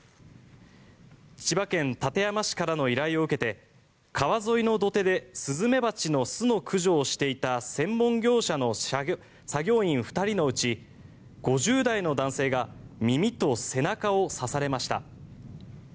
千葉県館山市からの依頼を受けて川沿いの土手でスズメバチの巣の駆除をしていた専門業者の作業員２人のうち５０代の男性が耳と背中を刺されました。